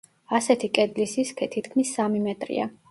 ასეთი კედლის სისქე თითქმის სამი მეტრია.